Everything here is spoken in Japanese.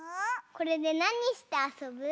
これでなにしてあそぶ？